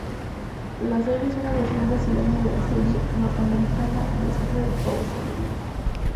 La serie es una versión brasileña de la serie norteamericana Desperate Housewives.